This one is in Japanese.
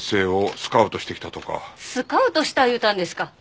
スカウトした言うたんですか？